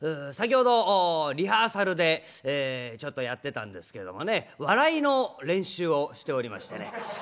先ほどリハーサルでちょっとやってたんですけどもね笑いの練習をしておりましてね。